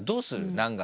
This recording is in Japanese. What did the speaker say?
何月。